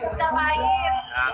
udah gak pahit